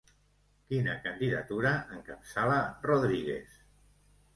Quina candidatura encapçala Rodríguez?